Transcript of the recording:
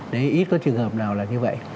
đấy ít có trường hợp nào là như vậy